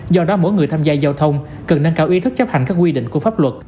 do đó mỗi người tham gia giao thông cần nâng cao ý thức chấp hành các quy định của pháp luật